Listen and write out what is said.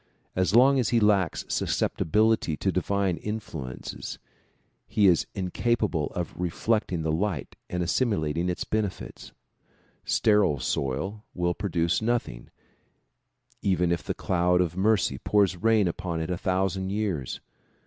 As long as he lacks susceptibility to divine influences he is incapable of reflecting the light and assimilating its benefits. Sterile soil will produce nothing even if the cloud of mercy pours rain upon it a thousand years.